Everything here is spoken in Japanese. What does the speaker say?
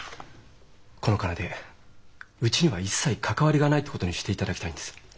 この金でうちには一切関わりがないってことにしていただきたいんです。